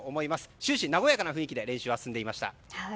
終始和やかな雰囲気で練習は進んでいました。